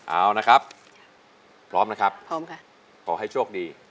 เอานะครับพร้อมนะครับขอให้โชคดี